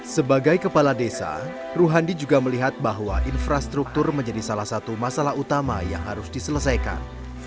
sebagai kepala desa ruhandi juga melihat bahwa infrastruktur menjadi salah satu masalah utama yang harus diselesaikan